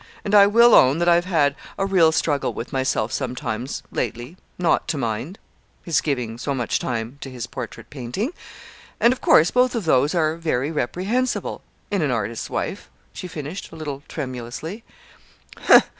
And I will own that I've had a real struggle with myself sometimes, lately, not to mind his giving so much time to his portrait painting. And of course both of those are very reprehensible in an artist's wife," she finished, a little tremulously.